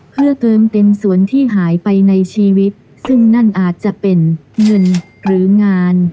เพื่อเติมเต็มส่วนที่หายไปในชีวิตซึ่งนั่นอาจจะเป็นเงินหรืองาน